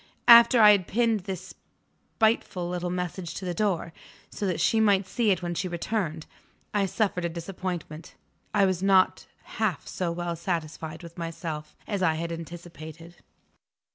After I had pinned this spiteful little message to the door, so that she might see it when she returned, I suffered a disappointment. I was not half so well satisfied with myself as I had anticipated.